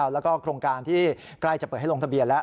แล้วก็โครงการที่ใกล้จะเปิดให้ลงทะเบียนแล้ว